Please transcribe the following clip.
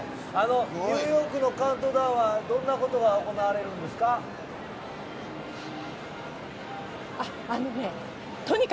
ニューヨークのカウントダウンはどんなことが行われるんですか？